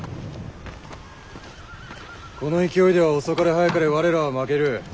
この勢いでは遅かれ早かれ我らは負ける。